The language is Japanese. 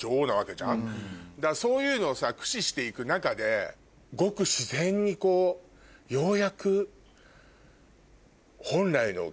そういうのをさ駆使していく中でごく自然にようやく。